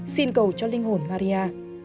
xin cầu cho linh hồn maria